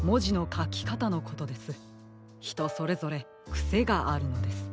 ひとそれぞれくせがあるのです。